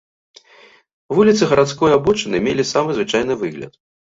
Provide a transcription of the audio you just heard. Вуліцы гарадской абочыны мелі самы звычайны выгляд.